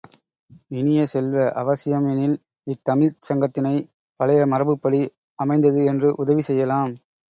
இனிய செல்வ, அவசியம் எனில் இத்தமிழ்ச் சங்கத்தினைப் பழைய மரபுப்படி அமைந்தது என்று உதவி செய்யலாம்.